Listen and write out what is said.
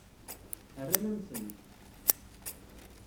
Rran-am-ten.